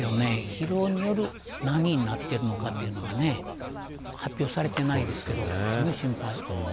疲労による何になっているのかというのがね発表されていないですけど心配ですね。